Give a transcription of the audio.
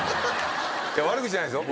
悪口じゃないですよ？